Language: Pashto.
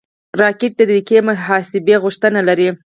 راکټ د دقیقې محاسبې غوښتنه لري